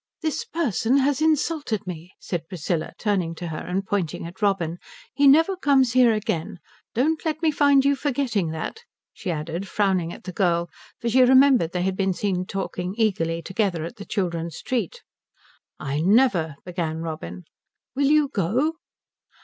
"This person has insulted me," said Priscilla, turning to her and pointing at Robin. "He never comes here again. Don't let me find you forgetting that," she added, frowning at the girl; for she remembered they had been seen talking eagerly together at the children's treat. "I never" began Robin. "Will you go?"